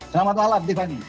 selamat malam tiffany